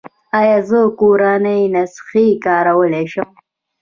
ایا زه کورنۍ نسخې کارولی شم؟